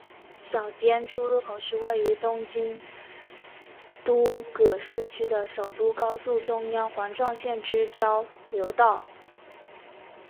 小菅出入口是位于东京都葛饰区的首都高速中央环状线之交流道。